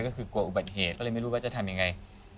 ก็คือกลัวอุบัติเหตุก็เลยไม่รู้ว่าจะทำยังไง